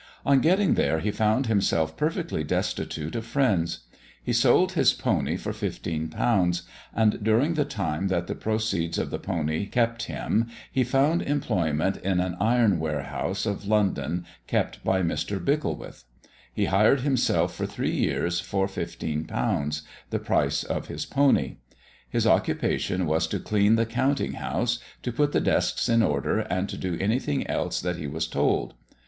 On getting there, he found himself perfectly destitute of friends. He sold his pony for 15_l._; and during the time that the proceeds of the pony kept him, he found employment in an iron warehouse of London, kept by Mr. Bicklewith. He hired himself for three years for 15_l._, the price of his pony. His occupation was to clean the counting house, to put the desks in order, and to do anything else that he was told.